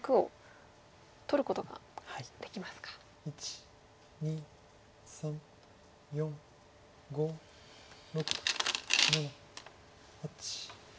１２３４５６７８。